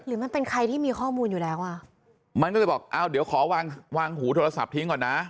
มันเป็นใครที่มีข้อมูลอยู่แล้วอ่ะมันก็เลยบอกอ้าวเดี๋ยวขอวางวางหูโทรศัพท์ทิ้งก่อนนะ